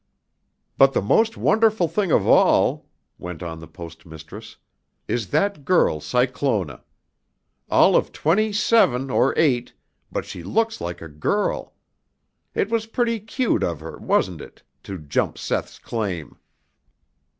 "But the most wonderful thing of all," went on the Post Mistress, "is that girl Cyclona. All of twenty seven or eight, but she looks like a girl. It was pretty cute of her, wasn't it, to jump Seth's claim?"